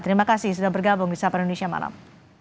terima kasih sudah bergabung di sapa indonesia malam